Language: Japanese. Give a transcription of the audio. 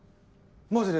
マジで？